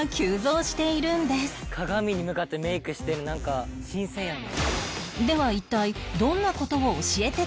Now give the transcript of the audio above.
「鏡に向かってメイクしてるのなんか新鮮やな」